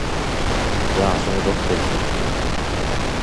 ýaşyň uzak bolsun!